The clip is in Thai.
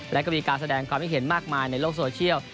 และก็มีการแสดงความคิดเห็นมากมายในโลกโซเชียล